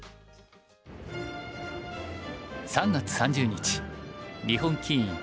３月３０日日本棋院東京本院。